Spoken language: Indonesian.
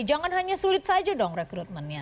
jangan hanya sulit saja dong rekrutmennya